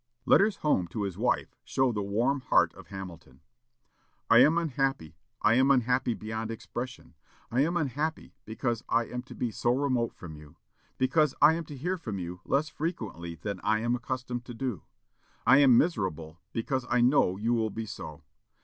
Letters home to his wife show the warm heart of Hamilton. "I am unhappy I am unhappy beyond expression. I am unhappy because I am to be so remote from you; because I am to hear from you less frequently than I am accustomed to do. I am miserable, because I know you will be so....